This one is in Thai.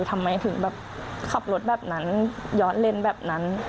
ทำไมถึงแบบขับรถแบบนั้นย้อนเล่นแบบนั้น